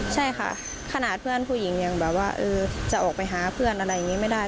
ใช่ค่ะขนาดเพื่อนผู้หญิงยังแบบว่าจะออกไปหาเพื่อนอะไรอย่างนี้ไม่ได้